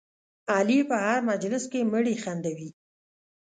علي په هر مجلس کې مړي خندوي.